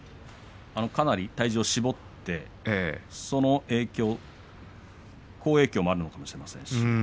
かなり体重を絞ってその好影響もあるのかもしれませんね。